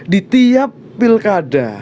di tiap pilkada